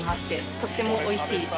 とってもおいしいです。